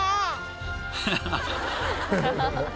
アハハハ。